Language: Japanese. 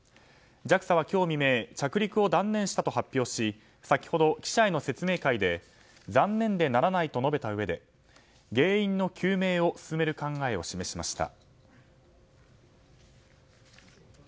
ＪＡＸＡは今日未明着陸を断念したと発表し先ほど記者への説明会で残念でならないと述べたうえで原因の究明を進める考えを示しました。